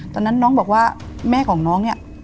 ตอนนั้นน้องบอกว่าแม่ของน้องเนี่ย